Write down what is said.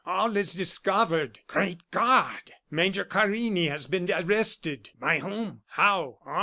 "All is discovered!" "Great God!" "Major Carini has been arrested." "By whom? How?"